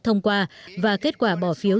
thông qua và kết quả bỏ phiếu